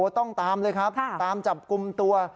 ต้องตามเลยครับตามจับกลุ่มตัว